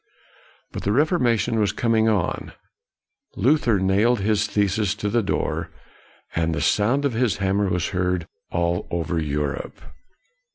But the Reformation was coming on. Luther nailed his theses to the door, and the sound of his hammer was heard all over Europe.